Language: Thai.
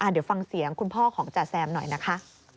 เดี๋ยวฟังเสียงคุณพ่อของจ๋าแซมหน่อยนะคะ